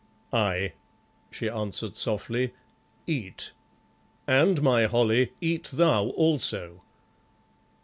"Aye," she answered softly, "eat, and, my Holly, eat thou also."